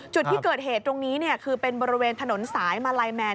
จุดที่เกิดเหตุตรงนี้คือเป็นบริเวณถนนสายมาลัยแมน